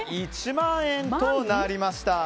１万円となりました。